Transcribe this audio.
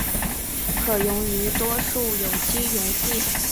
可溶于多数有机溶剂。